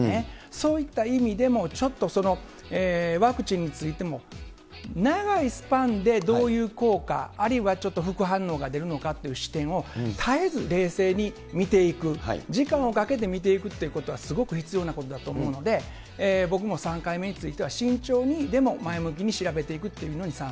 そういった意味でもちょっと、そのワクチンについても、長いスパンでどういう効果、あるいはちょっと副反応が出るのかという視点を絶えず冷静に見ていく、時間をかけて見ていくってことはすごく必要なことだと思うので、僕も３回目については、慎重に、でも前向きに調べていく